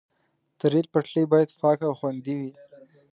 د ریل پټلۍ باید پاکه او خوندي وي.